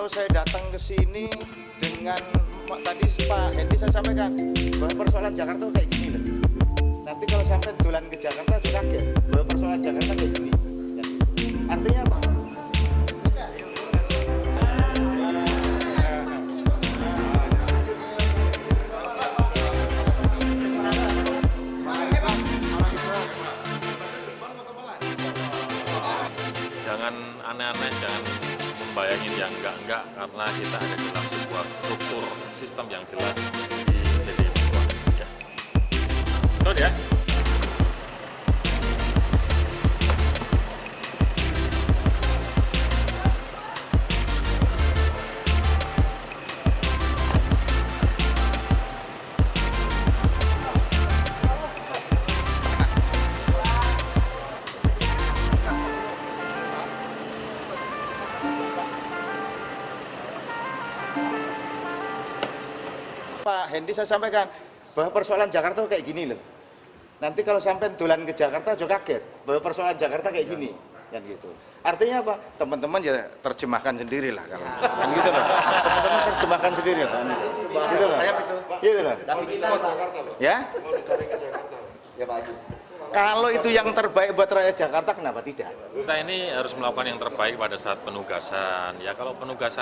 jangan aneh aneh jangan membayangkan yang enggak enggak karena kita ada dalam sebuah struktur sistem yang jelas